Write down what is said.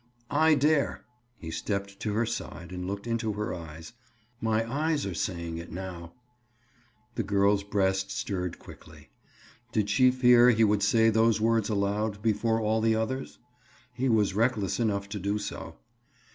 "I dare." He stepped to her side and looked into her eyes. "My eyes are saying it now." The girl's breast stirred quickly. Did she fear he would say those words aloud, before all the others? He was reckless enough to do so.